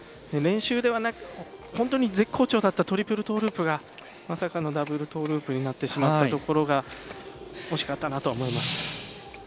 練習では、本当に絶好調だったトリプルトーループがまさかのダブルトーループになってしまったところが惜しかったなと思います。